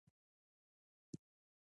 ډېوه افضل: د خاطراتو له کتابچې څخه